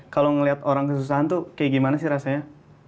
kalau ngeliat orang kesusahan tuh kayak gimana sih rasanya